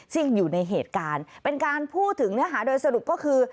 ซึ่งอยู่ในเหตุการณ์เป็นการพูดถึงเนื้อหาโดยสรุปก็คือ